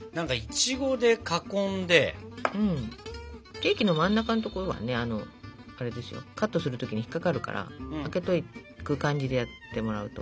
ケーキの真ん中のところはカットする時に引っ掛かるからあけとく感じでやってもらうと。